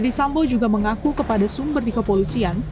verdi sambong juga mengaku kepada sumber di kepolisian